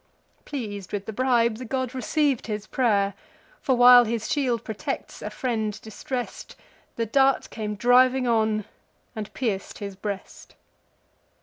Pleas'd with the bribe, the god receiv'd his pray'r: For, while his shield protects a friend distress'd, The dart came driving on, and pierc'd his breast.